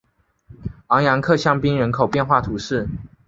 昂雅克香槟人口变化图示